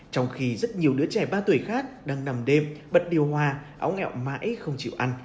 trong khi rất nhiều đứa trẻ ba tuổi khác đang nằm đêm bật điều hòa áo ngoãi không chịu ăn